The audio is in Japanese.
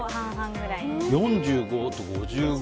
４５と５５。